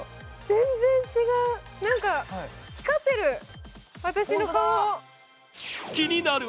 全然違う、何か光ってる、私の顔が。